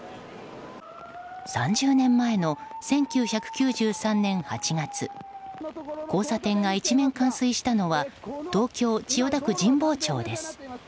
３０年前の１９９３年８月交差点が一面冠水したのは東京・千代田区神保町です。